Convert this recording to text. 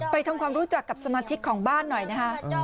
ทำความรู้จักกับสมาชิกของบ้านหน่อยนะคะ